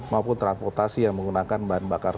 maupun transportasi yang menggunakan bahan bakar